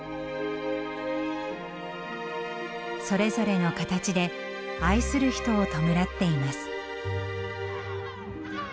それぞれの形で愛する人を弔っています。